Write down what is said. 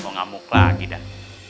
mau ngamuk lagi dah